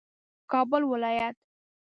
کابل ولایت